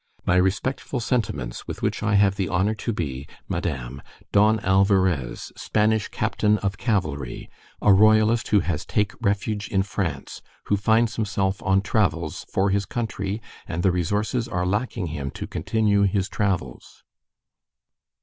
My respectful sentiments, with which I have the honor to be Madame, DON ALVARÈS, Spanish Captain of Cavalry, a royalist who has take refuge in France, who finds himself on travells for his country, and the resources are lacking him to continue his travells.